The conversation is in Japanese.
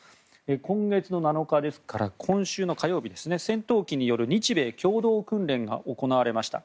今月７日ですから今週の火曜日戦闘機による日米共同訓練が行われました。